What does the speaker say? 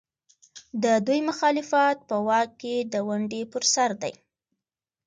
د دوی مخالفت په واک کې د ونډې پر سر دی.